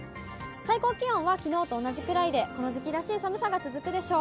最高気温はきのうと同じくらいで、この時期らしい寒さが続くでしょう。